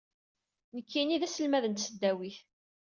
Nekkini d aselmad n tesdawit.